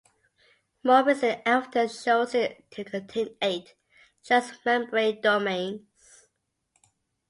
More recent evidence shows it to contain eight transmembrane domains.